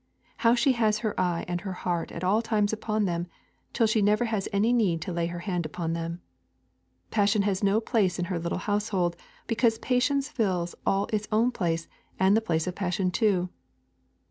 How she has her eye and her heart at all their times upon them, till she never has any need to lay her hand upon them! Passion has no place in her little household, because patience fills all its own place and the place of passion too.